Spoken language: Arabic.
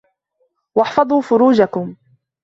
وَاحْفَظُوا فُرُوجَكُمْ